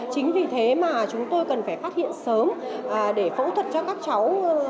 chính vì thế mà chúng tôi cần phải phát hiện sớm để phẫu thuật cho các cháu